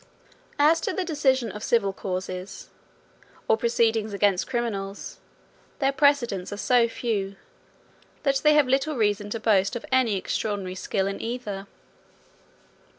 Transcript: As to the decision of civil causes, or proceedings against criminals, their precedents are so few, that they have little reason to boast of any extraordinary skill in either.